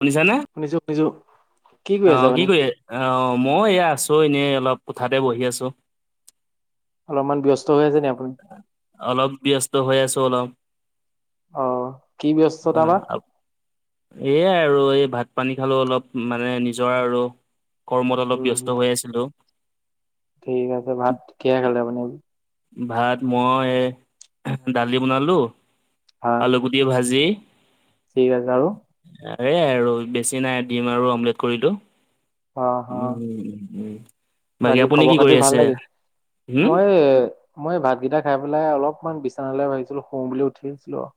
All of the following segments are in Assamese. শুনিছানে শুনিছো শুনিছো কি কৰি আছে অ' কি আপুনি কৰি আ অ' মই এয়া আছো এনেই অলপ কোঠাতে বহি আছো। অলপমান ব্যস্ত হৈ আছে নি আপোনি? অলপ ব্যস্ত হৈ আছো অলপ। অ কি ব্যস্ততা বা আ এয়াই আৰু এই ভাত পানী খালো অলপ মানে, নিজৰ আৰু কৰ্মত অলপ উম হম ব্যস্ত হৈ আছিলো। ঠিক আছে, ভাত কিহে খালে আপোনি? ভাত মই দালি বনালো, হা আলুগুটি ভাজি। ঠিক আছে আৰু। এই আৰু বেছি নাই ডিম আৰু অমলেট কৰিলো। অ অ উম- উম বাকী আপোনি খবৰ কি খাতি কৰি ভাল আছে? নেকি হম, মই মই ভাতকেইটা খাই পেলাই অলপমান বিচনালৈ ভাবিছিলো শুওঁ বুলি উঠি আহিছিলো আও।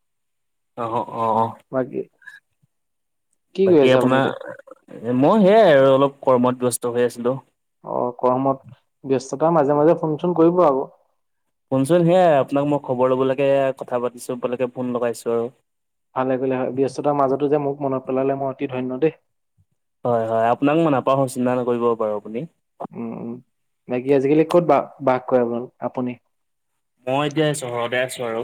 অ' অ'অ' অ' বাকী। কি কৰি বাকী আছে আপুনি আপোনাৰ এতিয়া মই সেয়াই আৰু অলপ কৰ্মত ব্যস্ত হৈ আছিলো। অ' কৰ্মত ব্যস্ততাৰ মাজে -মাজে ফোন চোন কৰিব আকৌ শুনচোন সেয়াই আপোনাক মই খবৰ ল'বলৈকে কথা পাতিছোঁ, আপোনালেকে ফোন লগাইছোঁ আৰু। ভালে কৰিলে হয় ব্যস্ততাৰ মাজতো যে মোক মনত পেলালে মই অতি ধন্য দেই। হয় -হয় আপোনাক মই নাপাহৰো চিন্তা নকৰিব বাৰু আপোনি। উম উ বাকি আজিকালি ক'ত বা বাস কৰে আপোনি। মই এতিয়া চহৰতে আছো আৰু।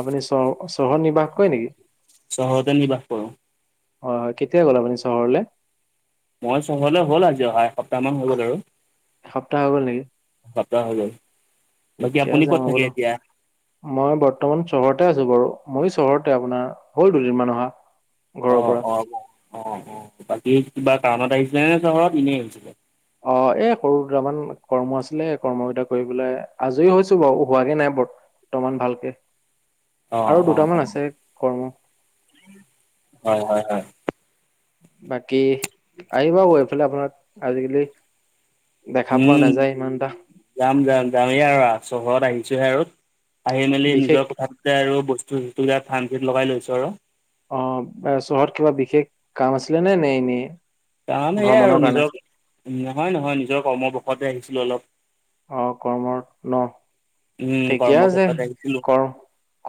আপুনি চ চহৰত নিৰ্বাহ কৰে নেকি? চহৰতে নিবাস কৰো। হয়- হয় কেতিয়া গ'ল আপুনি চহৰলে। মই চহৰলে হ'ল আজি অহা এসপ্তাহ মান হৈ গ'ল আৰু। হৈ গ'ল নেকি? এসপ্তাহ হৈগ'ল বাকী ঠিকে আপোনি আছে ক'ত মই থাকে বোলো এতিয়া। মই বৰ্তমান চহৰতে আছো বাৰু মই চহৰতে আপোনাৰ হ'ল দুদিনমান অহা। ঘৰৰ অ' পৰা। অ' অ' অ' বাকী কিবা কাৰণত আহিছিলে নে চহৰত এনেই আহিছিলে অ' এই সৰু দুটামান কৰ্ম আছিলে কৰ্মকেইটা কৰিব পেলাই আজৰি হৈছো বাৰু হোৱাগে নাই বৰ। দুটামান ভালকে অ' আৰু অ' দুটামান অ' আছে কৰ্ম। হয়- হয়- হয়। বাকী আহিব আকৌ এইফালে আপোনাক আজিকালি। দেখা পোৱা উম। নাযায় ইমান এটা। যাম -যাম যামেই আৰু চহৰত আহিছোহে আৰু আহি মেলি বিশেষ নিজৰ কথা পা আৰু বস্তু- চস্তুবিলাক থান ঠিক লগাই লৈছো আৰু। অ' চহৰত কিবা বিশেষ কাম আছিলে নে নে এনেই। কাম এইয়া ভ্ৰমণৰ আৰু কাৰণে? নিজৰ নহয়- নহয় নিজৰ কৰ্মবশতে আহিছিলো অলপ। অ' কৰ্মৰ ন' উম ঠিকে আছে কৰ্মক্ষেত্ৰত আহিছিলো কৰ্ম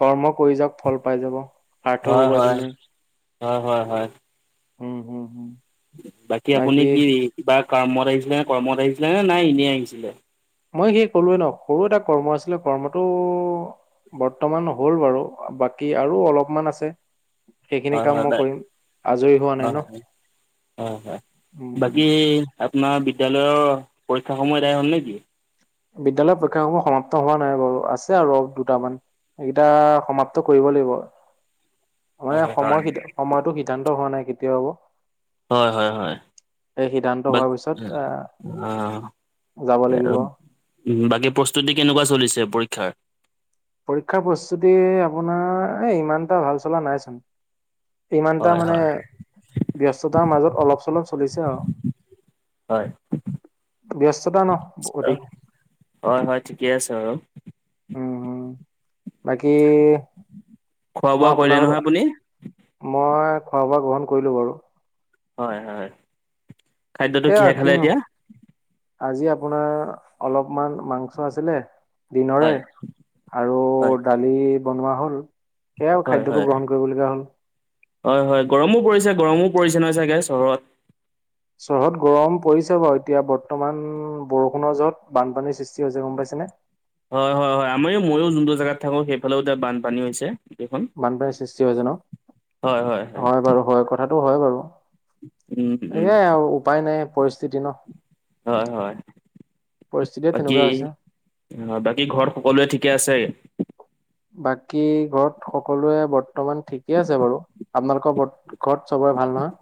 কৰ্ম কৰি যাওক ফল পাই যাব, সাৰ্থক হয় হব হয় এদিন। হয়- হয়- হয়। উম হুম - হুম। বাকী আপুনি কি কিবা কৰ্মত আহিছিলে? কৰ্মত আহিছিলে নে নাই এনেই আহিছিলে? মই সেই ক'লোৱে ন' সৰু এটা কৰ্ম আছিলে কৰ্মটো বৰ্তমান হ'ল বাৰু বাকী আৰু অলপমান আছে। সেইখিনি হয় কাম হয় মই বাই কৰিম আজৰি হোৱা নাই হয় ন' হয় হয়, উম উম। বাকী আপোনাৰ বিদ্যালয়ৰ পৰীক্ষা সমূহ এডায় হ'ল নেকি? বিদ্যালয়ৰ পৰীক্ষাসমূহ সমাপ্ত হোৱা নাই বাৰু আছে আৰু দুটামান। সেইকেইটা সমাপ্ত কৰিব লাগিব। মানে হয় সময় হয় সময়তটো সিদ্ধান্ত হোৱা নাই কেতিয়া হব। হয়, হয়, হয়। এই সিদ্ধান্ত [unintelligible] হোৱাৰ পিছত আহ যাব লাগিব। উম, বাকী প্ৰস্তুতি কেনেকুৱা চলিছে পৰীক্ষাৰ? পৰীক্ষাৰ প্ৰস্তুতি আপোনাৰ এ ইমান এটা ভাল চলা নাইচোন। ইমানটা হয় মানে হয় ব্যস্ততাৰ মাজত অলপ চলপ চলিছে আৰু। হয় ব্যস্ততা ন অধিক। হয় হয় ঠিকে আছে বাৰু। উম উম বাকী খোৱা মই বোৱা কৰিলে নহয় আপুনি আপোনালোকৰ মই খোৱা বোৱা গ্ৰহণ কৰিলো বাৰু। হয় হয়। খাদ্যটো এয়া কিহে খালে কিনো এতিয়া আজি আপোনাৰ অলপমান মাংস আছিলে। দিনৰে, হয় আৰু হয় দালি বনোৱা হ'ল সেয়াও হয় হয় খাদ্যটো গ্ৰহণ কৰিবলগীয়া হ'ল। হয় হয়, গৰমো পৰিছে গৰমো পৰিছে নহয় চাগে চহৰত। চহৰত গৰম পৰিছে বাৰু এতিয়া বৰ্তমান বৰষুণৰ যহত বানপানীৰ সৃষ্টি হৈছে গম পাইছে নে? হয়-হয়-হয়, আমাৰও ময়ো যোনটো জেগাত থাকো সেইফালেও এতিয়া বানপানী হৈছে। গোটেইখন বানপানীৰ সৃষ্টি হৈছে ন? হয় বাৰু হয় কথাটো হয় বাৰু। উম উম এয়াই আৰু উপায় নাই পৰিস্থিতি ন। হয় হয়। পৰিস্থিতিয়ে বাকী তেনেকুৱা হৈছে। হয়, বাকী ঘৰত সকলোৱে ঠিকে আছে? বাকী ঘৰত সকলোৱে বৰ্তমান ঠিকে আছে বাৰু আপোনালোকৰ ব- ঘৰত চবৰে ভাল নহয়?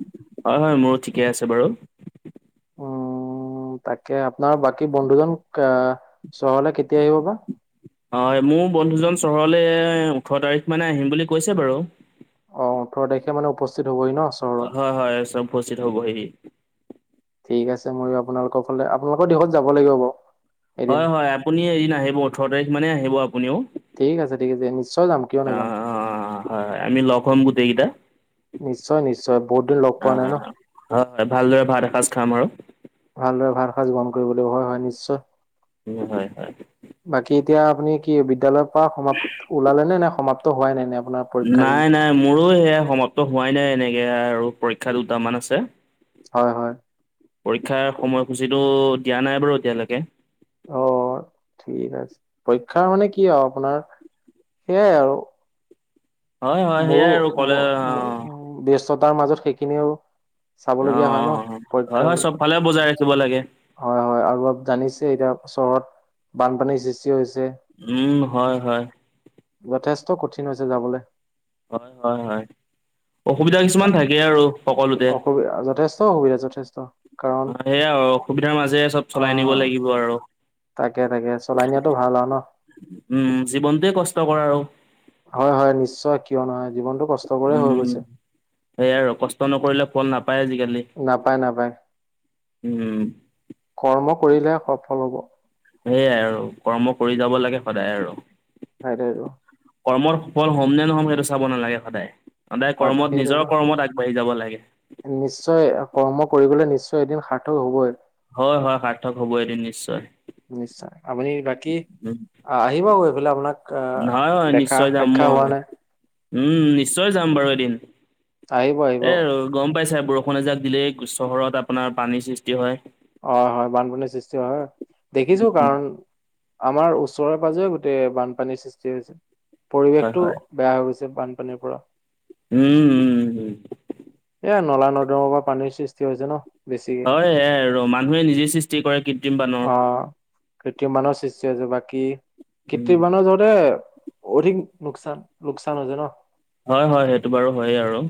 হয় হয় মোৰো ঠিকে আছে বাৰু উম উম তাকে আপোনাৰ বাকী বন্ধুজন আ চহৰলে কেতিয়া আহিব বা। হয় মোৰ বন্ধুজন চহৰলৈ ওঠৰ তাৰিখ মানে আহিম বুলি কৈছে বাৰু। অ' ওঠৰ তাৰিখে মানে উপস্থিত হবহি ন চহৰত। হয় হয় চব উপস্থিত হবহি। ঠিক আছে মই আপোনালোকৰ ফালে আপোনালোকৰ দিশত যাব লাগিব বাৰু। এদিন হয় হয় আপুনি এদিন আহিব ওঠৰ তাৰিখ মানে আহিব আপুনিও। ঠিক আছে, ঠিক আছে। এ নিশ্চয় যাম, কিয় নাযাম। হয় হয়, আমি লগ হম গোটেই কেইটা। নিশ্চয় নিশ্চয় বহুত দিন লগ পোৱা নাই ন আহ হয় ভালদৰে ভাত এসাজ খাম আৰু। ভালদৰে ভাত সাজ বহন কৰিব লাগিব, হয়-হয় নিশ্চয়। উম, হয় হয়। বাকী এতিয়া আপুনি কি বিদ্যয়ালয়ৰ পৰা সমাপ্ত ওলালে নে, নে সমাপ্ত হোৱাই নাই নে আপোনাৰ পৰীক্ষাখিনি? নাই নাই মোৰো সেয়া সমাপ্ত হোৱাই নাই এনেকে আৰু পৰীক্ষা দুটামান আছে। হয় হয়। পৰীক্ষাৰ সময়সূচীটো দিয়া নাই বাৰু এতিয়ালৈকে। অ' ঠিক আছে পৰীক্ষা মানে কি আৰু আপোনাৰ সেইয়াই আৰু। হয় হয় মোৰো সেইয়াই আৰু কলে অ' অ' ব্যস্ততাৰ মাজত সেইখিনিও অ চাবলগীয়া হয় ন হয় পৰীক্ষাৰ হয় চব বাবে ফালে বজাই ৰাখিব লাগে। হয় হয় আৰু জানিছে এতিয়া চহৰত বানপানীৰ সৃষ্টি হৈছে। উম, হয় হয়। যথেষ্ট কঠিন হৈছে যাবলৈ। হয়, হয়, হয়। অসুবিধা কিছুমান থাকে আৰু সকলোতে। অসুবিধা যথেষ্ট অসুবিধা যথেষ্ট কাৰণ অ সেয়াই আৰু অসুবিধাৰ মাজেৰে চব চলাই নিব লাগিব আৰু তাকে-তাকে চলাই নিয়াতো ভাল আৰু ন। উম উম, জীৱনটোৱেই কষ্টকৰ আৰু হয়-হয়, নিশ্চয় কিয় নহয় জীৱনটো কষ্ট কৰে উম হৈ উ উ উ, গৈছে সেইয়া আৰু কষ্ট নকৰিলে ফল নাপায় আজিকালি। নাপায়-নাপায়। উম উ উ উ। কৰ্ম কৰিলেহে সফল হব। সেয়াই আৰু কৰ্ম কৰি যাব লাগে সদায় আৰু হয় দে আৰু কৰ্মত সফল হ'ম নে নহ'ম সেইটো চাব নালাগে সদায়-সদায় হয় কৰ্মত নিজৰ সেইটোৱেটো কৰ্মত আ বাঢ়ি যাব লাগে। নিশ্চয় কৰ্ম কৰিবলৈ নিশ্চয় এদিন সাৰ্থক হবই। হয়-হয় সাৰ্থক হব এদিন নিশ্চয়। নিশ্চয়, আপুনি কি কয়? বাকী আহিব আকৌ এইফালে আপোনাক আহ নহয় হয় হয় দেখা নিশ্চয় যাম সাক্ষা মই হোৱা নাই। উম উ উ, নিশ্চয় যাম বাৰু এদিন আহিব আহিব এ আৰু গম পাইছাই বৰষুণ বৰষুণ এজাক দিলেই চহৰত আপোনাৰ পানীৰ সৃষ্টি হয়। হয় হয়, বানপানীৰ সৃষ্টি হয় দেখিছো উম কাৰণ আমাৰ ওচৰে-পাজৰে গোটেই বানপানীৰ সৃষ্টি হৈছে হয় পৰিৱেশটো। হয় বেয়া হৈ গৈছে বানপানীৰ পৰা। হুম উ উম উ। এইয়া নলা-নৰ্দমাৰ পৰা পানীৰ সৃষ্টি হৈছে ন। বেছিকে হয় এইয়াই আৰু মানুহে নিজেই সৃষ্টি কৰে কৃত্ৰিম বানৰ। অ কৃত্ৰিম বানৰ সৃষ্টি হৈছে, বাকী উম কৃত্ৰিম বানৰ যহঁতে। অধিক লোকচান-লোকচান হৈছে ন। হয়-হয় সেইটো বাৰু হয়েই আৰু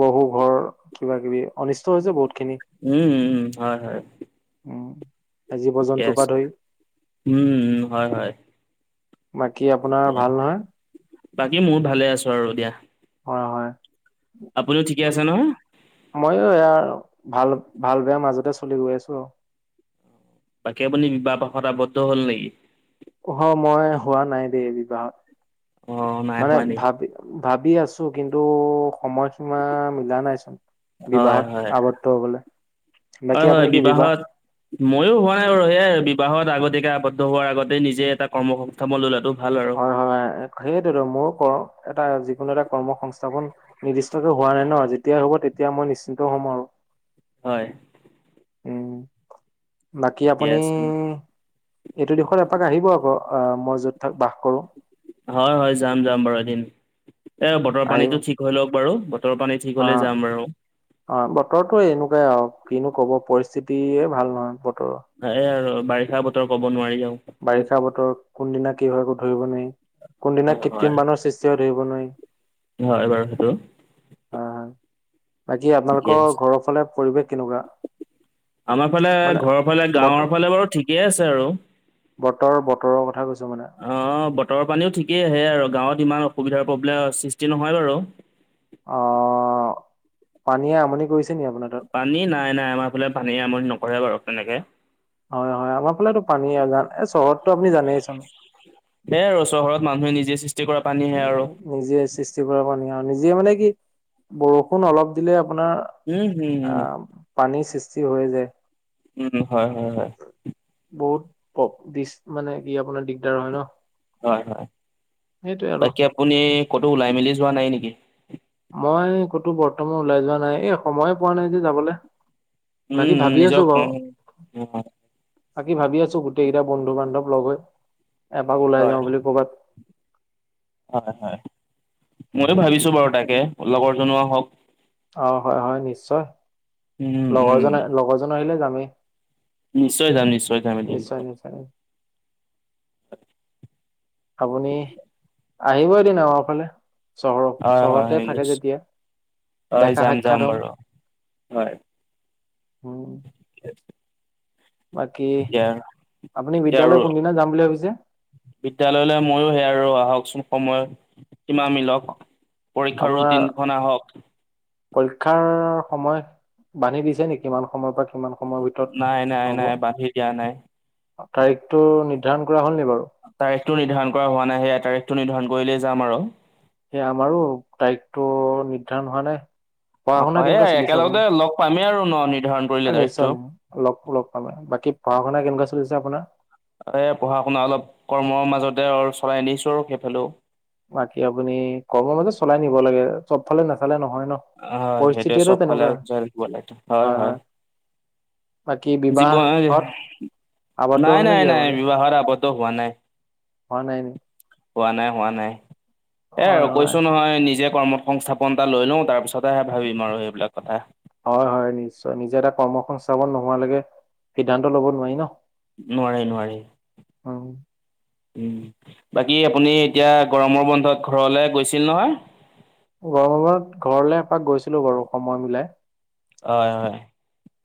বহু ঘৰ কিবা-কিবি অনিষ্ট হৈছে বহুতখিনি। উম হুম উ, হয় হয়। উম উ। কে আছে? উম উম উ হয় হয়। বাকী আপোনাৰ ঠিকে ভাল নহয়। বাকী মোৰ ভালে আছো আৰু দিয়া। হয় হয়। আপুনিও ঠিকে আছে ন। মইয়ো ইয়াৰ ভাল ভাল বেয়াৰ মাজতে চলি গৈ আছো আৰু তাকে আপুনি বিবাহ প্ৰখত আৱদ্ধ হ'ল নেকি? হ, মই হোৱা নাই দেই বিবাহত অ নাই মানে হোৱা নেকি ভাবি ভাবি আছো কিন্তু সময়সীমা মিলা নাইচোন। হয় বিবাহত হয় আৱদ্ধ হবলে হয় বাকী হয় আপুনি কি বিবাহ বিবাহত ময়ো হোৱা নাই বাৰু এই বিবাহত আগতকে আৱদ্ধ হোৱাৰ আগতেই নিজে এটা কৰ্ম হোক সংস্থাপন লৈ লোৱাতো ভাল আৰু হয় হয় সেইটোতো মোৰ কওঁ এটা যিকোনো এটা কৰ্ম সংস্থাপন। নিৰ্দিষ্টকে হোৱা নাই ন যেতিয়াই হ'ব তেতিয়া মই নিশ্চিন্ত হ'ম আৰু হয়। এনে, উম বাকী ঠিকে আপুনি ই আছে ই ই ই। এইটো দিশত এপাক আহিব আকৌ আ আ মই য'ত থাক বাস কৰো। হয় হয়, যাম যাম বাৰু এদিন এ বতৰ আহিব পানীটো ঠিক হৈ লওক বাৰু বতৰ পানীত অ ঠিহ'লে যাম বাৰু। অ বতৰতো এনেকুৱাই আও কিনো কব পৰিস্থিতিয়ে ভাল নহয় বতৰৰ সেয় আৰু বাৰিষা বতৰ কব নোৱাৰি আও। বাৰিষা বতৰ কোনদিনা কি হয় একো ধৰিব নোৱাৰি, কোনদিনা হয় হয় কৃত্ৰিম বানৰ সৃষ্টি হয় ধৰিব নোৱাৰি। হয় বাৰু সেইটো। হয় হয়। বাকী ঠিকে আপোনালোকৰ আছে ঘৰৰ ফালে পৰিৱেশ কেনেকুৱা? আমাৰ ফালে মানে ঘৰৰ ফালে, গাঁওৰ ফালে বাৰু ঠিকেই আছে আৰু। বতৰৰ বতৰৰ কথা কৈছো মানে। অ বতৰৰ পানীও ঠিকেই আহে আৰু গাঁৱত ইমান অসুবিধাৰ প্ৰব্লেম সৃষ্টি নহয় বাৰু। অ পানীয়ে আমনি কৰিছে নি আপোনাৰ তাত? পানী নাই নাই আমাৰ ফালে পানী আমনি নকৰে বাৰু তেনেকে। হয় হয় আমাৰ ফালেতো পানীযে আজান এ চহৰতটো আপুনি জানেই চোন। সেয়াই আৰু চহৰত মানুহে নিজে সৃষ্টি কৰা পানীহে আৰু। নিজে সৃষ্টি কৰা পানী আও নিজে মানে কি বৰষুণ অলপ দিলে আপোনাৰ উম, হম, হম, আহ পানীৰ সৃষ্টি হৈ যায়। উম হয় হয় হয়। বহুত পক দিচ মানে কি আপোনাৰ দিগদাৰ হয় ন। হয় হয় সেইটোয়ে আৰু বাকী আপুনি ক'তো ওলাই মেলি যোৱা নাই নেকি? মই ক'তো বৰ্তমান ওলাই যোৱা নাই এই সময়ে পোৱা নাই যে যাবলে। উম বাকী উম ভাবি আছো নিজক বাৰু [unintelligible] বাকী ভাবি আছো গোটেই কেইটা বন্ধু বান্ধৱ লগ হৈ এপাক ওলাই হয়, যাওঁ বুলি ক'বাত। হয় হয় ময়ো ভাবিছোঁ বাৰু তাকে লগৰ জনো আহক। অ হয় হয় নিশ্চয় উম, উম, লগৰজনে লগৰজন আহিলে যামেই। নিশ্চয় যাম নিশ্চয় যাম এদিন বাৰু। সঁচাই আপুনি আহিব এদিন আমাৰ ফালে চহৰৰ হয়, হয়, চহৰতে হয়, থাকে নিশ্চয় যেতিয়া হয় দেখা যাম যাম সাক্ষাৎ হম। বাৰু হয়। উম। [unintelligible] বাকী এতিয়া আপুনি এতিয়া আৰু বিদ্যালয় কোনদিনা যাম বুলি ভাবিছে? বিদ্যালয়লৈ ময়ো সেয়া আৰু আহকচোন সময় সীমা মিলক। পৰীক্ষাৰ আপোনাৰ ৰুটিনখন আহক। পৰীক্ষাৰ সময় বান্ধি দিছে নেকি কিমান সময়ৰ পৰা কিমান সময় ভিত- নাই নাই নাই বান্ধি দিয়া নাই। তাৰিখটো নিৰ্ধাৰণ কৰা হ'ল নে বাৰু। তাৰিখটো নিৰ্ধাৰণ কৰা হোৱা নাই সেয়া তাৰিখটো নিৰ্ধাৰণ কৰিলে যাম আৰু। এ আমাৰো তাৰিখটো নিৰ্ধাৰণ হোৱা নাই। পঢ়া অহ শুনা কেনেকুৱা সেইয়াই চলিছে একেলগতে আপোনাৰ লগ পামেই আৰু ন নিৰ্ধাৰণ কৰিলে নিশ্চয় তাৰিখটো। লগ লগ পামে বাকী পঢ়া শুনা কেনেকুৱা চলিছে আপোনাৰ? এ পঢ়া শুনা অলপ কৰ্মৰ মাজতে আৰু চলাই নিছো আৰু সেইফালেও। বাকী আপুনি কৰ্মৰ মাজত চলাই নিব লাগে চবফালে নাফালে নহয় ন। অ হয় সেইটোয়ে পৰিস্থিতিটো চব ফালে তেনেকুৱা জয় দিব লাইটো হয় হয়। বাকী জীৱ আইদে, বিবাহত আৱদ্ধ হ'ল নাই নেকি নাই নাই আপুনি? বিবাহৰ আবদ্ধ হোৱা নাই। হোৱা নাই নে? হোৱা নাই হোৱা নাই এয়া হয় আৰুক হয় কৈছো নহয় নিজে কৰ্ম সংস্থাপন এটা লৈ লওঁ তাৰপিছতেহে ভাবিম আৰু সেইবিলাক কথা। হয় হয় নিশ্চয় নিজে এটা কৰ্ম সংস্থাপন নোহোৱালৈকে সিদ্ধান্ত ল'ব নোৱাৰি ন। নোৱাৰি নোৱাৰি। উহ। বাকী আপুনি এতিয়া, গৰমৰ বন্ধত ঘৰলৈ গৈছিল নহয়? গৰমত বন্ধ, ঘৰলে এপাক গৈছিলো বাৰু সময় মিলাই। হয় হয়।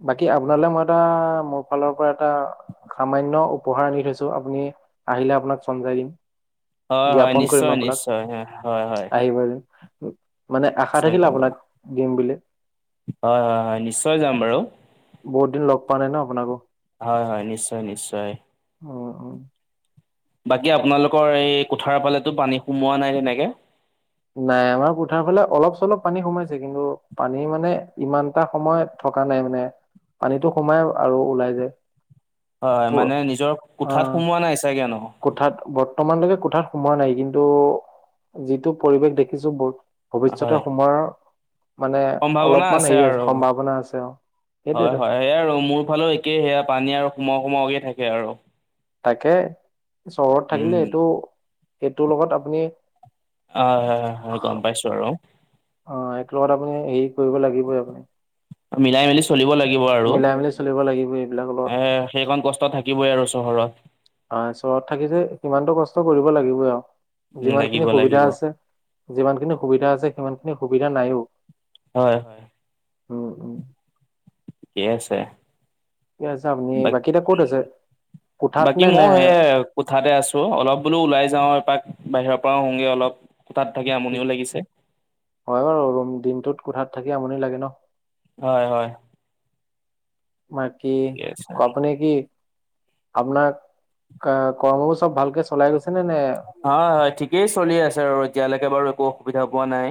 বাকী আপোনালে মই এটা, মোৰ ফালৰ পৰা এটা সামান্য উপহাৰ আনি থৈছো আপুনি, আহিলে আপোনাক চঞ্জাই দিম। হয় দিয়া হয় ফুন কৰিম মই নিশ্চয় আপোনাক, নিশ্চয় হয় হয় আহি পালে। মানে আশা থাকিল আপোনাক, দিম বুলি। হয়-হয়-হয়, নিশ্চয় যাম বাৰু। বহুত দিন লগ পোৱা নাই ন আপোনাকো। হয়-হয় নিশ্চয় নিশ্চয়। অহ-অহ। বাকী আপোনালোকৰ এই কোঠাৰ ফালতো, পানী সোমোৱা নাই তেনেকে? নাই আমাৰ কোঠাৰ ফালে অলপ-চলপ পানী সোমাইছে, কিন্তু পানী মানে ইমানটা সময়ত থকা নাই মানে, পানীতো সোমাই আৰু ওলাই যায়। হয় মানে নিজৰ, অ কোঠাত সোমোৱা নাই চাগে ন? কোঠাত বৰ্তমানলৈকে কোঠাত সোমোৱা নাই, ‌ কিন্তু যিটো পৰিৱেশ দেখিছো ব ভৱিষ্যতে হয় সোমোৰ মানে সম্ভাৱনা অলপমান হেৰি আছে, আৰু সম্ভাৱনা আছে অ', হয় সেইটোৱেতো। হয় সেয়াই আৰু মোৰ ফালেও একেই সেয়া পানী আৰু সোমোৱা সোমোৱকে থাকে আৰু। তাকে, চহৰত থাকিলে উম সেইটো, সেইটোৰ লগত আপুনি অ' হয়-হয়-হয়-হয় গম পাইছো আৰু। অ' এক লগত আপুনি, হেৰি কৰিব লাগিবই আপুনি। মিলাই মেলি চলিব লাগিব আৰু। মিলাই মেলি চলিব লাগিব এইবিলাক অলপ। এ সেইকণ কষ্ট থাকিবই আৰু চহৰত। আহ চহৰত থাকি যে, ইমানতো কষ্ট কৰিব লাগিব আৰু, উম যিমান লাগিব খিনি লাগিব সুবিধা আছে যিমান খিনি সুবিধা আছে, সিমান খিনি সুবিধা নাইও। হয়-হয়। উম-উম। ঠিকে আছে। আছে আপুনি, বা বাকী এতিয়া ক'ত আছে, কোঠাত বাকী নে, নে? ময়ো সেই কোঠাতে আছোঁ, অলপ বোলো ওলাই যাওঁ এপাক, বাহিৰৰ পৰাও আহোওঁঁগৈ অলপ, কোঠাত থাকি আমনিও লাগিছে। হয় বাৰু ম দিনটোত কোঠাত থাকি আমনি লাগে ন। হয়-হয়। বাকী [unintelligible] ঠিকে আছে কপ নে কি আপোনাক কৰ্মও চব ভালকে চলাই গৈছে নে, নে হয়-হয়, ঠিকেই চলি আছে আৰু এতিয়ালৈকে বাৰু একো অসুবিধা পোৱা নাই।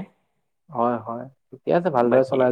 হয়-হয়, ঠিকে আছে, ভালদৰে বাকী চলাই